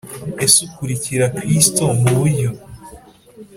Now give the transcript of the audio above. Ese ukurikira Kristo mu buryo